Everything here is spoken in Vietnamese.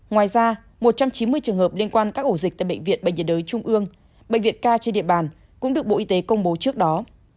ngoài ra một trăm chín mươi trường hợp liên quan các ổ dịch tại bệnh viện bệnh nhiệt đới trung ương bệnh viện ca trên địa bàn cũng được bộ y tế công bố trước đó